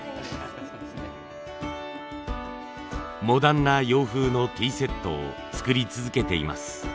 モダンな洋風のティーセットを作り続けています。